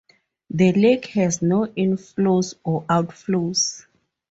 The lake has no inflows or outflows.